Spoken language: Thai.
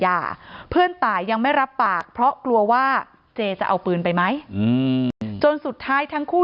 เพื่อนตายยังไม่รับปากเพราะกลัวว่าเจจะเอาปืนไปไหมจนสุดท้ายทั้งคู่